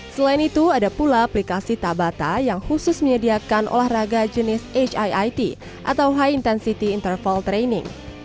selain itu ada pula aplikasi tabata yang khusus menyediakan olahraga jenis hiit atau high intensity interval training